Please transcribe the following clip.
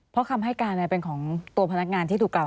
เพราะคำให้การเป็นของตัวพนักงานที่ถูกกล่า